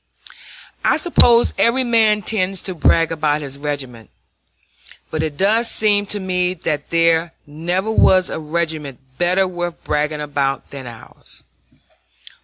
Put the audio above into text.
I suppose every man tends to brag about his regiment; but it does seem to me that there never was a regiment better worth bragging about than ours.